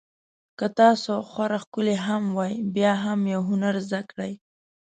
که تاسو خورا ښکلي هم وئ بیا هم یو هنر زده کړئ.